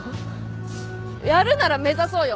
やるなら目指そうよ